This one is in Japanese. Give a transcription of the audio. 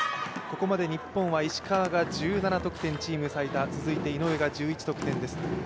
ここまで日本は石川が１７得点チーム最多、続いて井上が１１得点です。